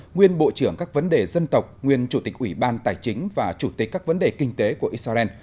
nguyên bộ trưởng các vấn đề dân tộc nguyên chủ tịch ủy ban tài chính và chủ tịch các vấn đề kinh tế của israel